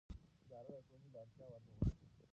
اداره د ټولنې د اړتیاوو ارزونه کوي.